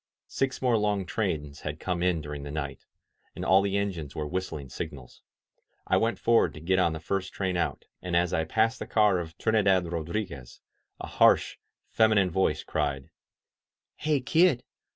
Six more long trains had come in during the night, and aU the engines were whistUng signals. ^I went forward to get on the first train out, and as I passed the car of Trinidad Rodriguez, a harsh, femi nine voice cried: "Hey, kid!